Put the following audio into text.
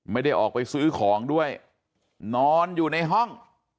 ไม่ได้ออกไปซื้อของด้วยนอนอยู่ในห้อง